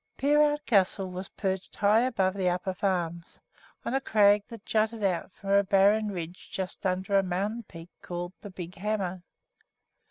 Peerout Castle was perched high above the Upper Farms, on a crag that jutted out from a barren ridge just under a mountain peak called "The Big Hammer."